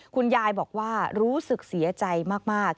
คุณยายบอกว่ารู้สึกเสียใจมาก